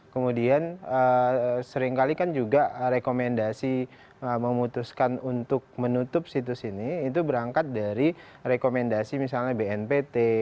kemudian seringkali kan juga rekomendasi memutuskan untuk menutup situs ini itu berangkat dari rekomendasi misalnya bnpt